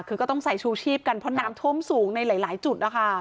คือก็ต้องใส่ชูชีพกันเพราะน้ำท่วมสูงในหลายจุดนะคะ